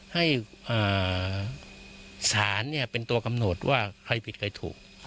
ให้สารเป็นตัวกำหนดว่าใครผิดใครถูก